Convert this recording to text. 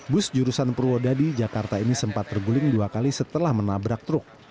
bus jurusan purwodadi jakarta ini sempat terguling dua kali setelah menabrak truk